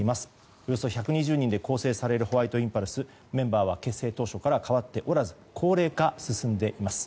およそ１２０人で構成されているホワイトインパルスメンバーは結成当初から変わっておらず高齢化が進んでいます。